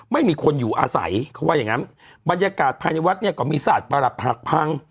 ไม่มีคนอยู่อาศัยเขาว่าอย่างงั้นบรรยากาศภายในวัดเนี่ยก็มีศาสตร์ประหลัดหักพัง